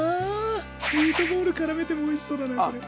ミートボールからめてもおいしそうだなこれ。